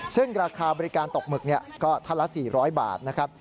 ซึ่งราคาบริการตกหมึกก็ท่านละ๔๐๐บาทนะครับ